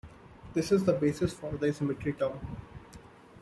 This is the basis for the asymmetry term.